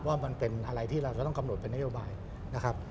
ว่ามันเป็นอะไรที่เราจะต้องกำหนดเป็นนโยบายนะครับ